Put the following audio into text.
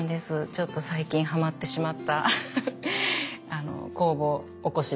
ちょっと最近ハマってしまった酵母からおこす？